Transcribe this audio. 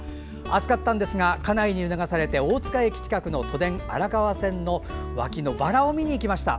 暑かったんですが家内に促されて大塚駅近くの都電荒川線の脇のバラを見に行きました。